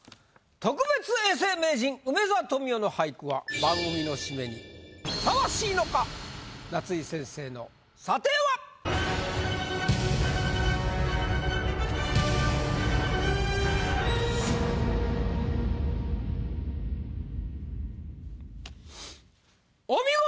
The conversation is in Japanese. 特別永世名人梅沢富美男の俳句は番組の締めにふさわしいのか⁉夏井先生の査定は⁉お見事！